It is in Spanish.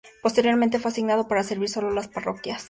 Posteriormente fue asignado para servir solo en parroquias rurales.